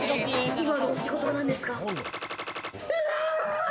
今のお仕事は何ですか？